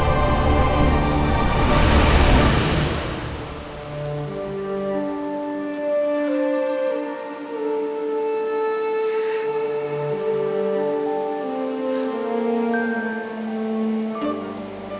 kenapa harus aku alami nasib seperti ini